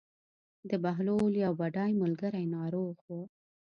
د بهلول یو بډای ملګری ناروغ و.